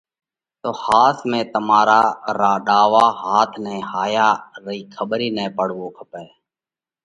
تو ۿاس ۾ تمارا را ڏاوا هاٿ نئہ هائيا رئِي کٻر ئي نہ پڙوو کپئہ۔